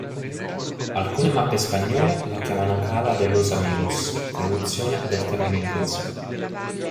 Alcune mappe spagnole la chiamano "Cala de Los Amigos", traduzione del termine inglese.